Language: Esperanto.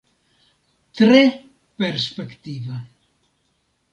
Tre perspektiva.